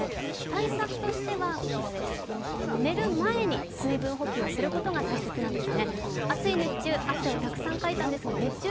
対策としては、寝る前に水分補給することが大切です。